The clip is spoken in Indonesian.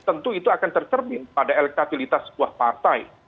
tentu itu akan tercermin pada elektabilitas sebuah partai